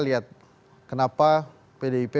lihat kenapa pdip